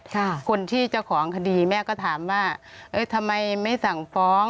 แม่ก็ไปหาตำรวจคนที่เจ้าของคดีแม่ก็ถามว่าเอ๊ะทำไมไม่สั่งฟ้อง